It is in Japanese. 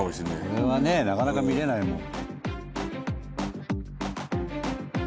これはねなかなか見れないもん。